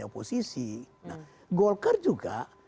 posisi nah golkar juga